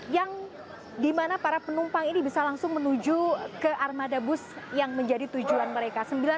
yang dimana para penumpang ini bisa langsung menuju ke armada bus yang menjadi tujuan mereka